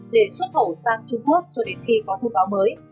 để xuất khẩu sang trung quốc cho đến khi có thông báo mới